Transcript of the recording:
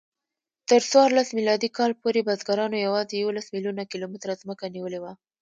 تر څوارلس میلادي کال پورې بزګرانو یواځې یوولس میلیونه کیلومتره ځمکه نیولې وه.